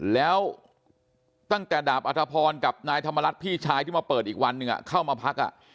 แล้วตั้งแต่ดาบอัธพรกับนายธรรมรัฐพี่ชายที่มาเปิดอีกวันหนึ่งเข้ามาพัก